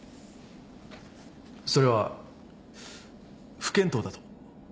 それは不見当だと。